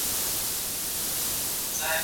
که زده کوونکی مجازي تمرکز وساتي، تېروتنه نه ډېریږي.